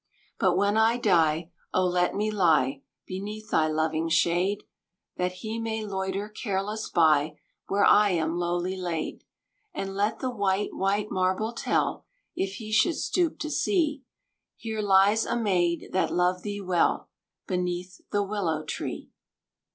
"But when I die, oh let me lie Beneath thy loving shade, That he may loiter careless by, Where I am lowly laid. And let the white white marble tell, If he should stoop to see, 'Here lies a maid that loved thee well, Beneath the Willow Tree.'"